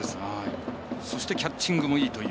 そしてキャッチングもいいと。